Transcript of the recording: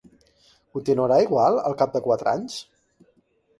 Continuarà igual al cap de quatre anys?